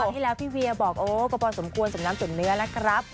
คราวที่ละพี่เวียบอกกระเป๋าสมควรสมน้ำสดเนื้อแล้วครับ